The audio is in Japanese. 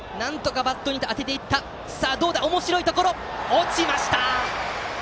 落ちました！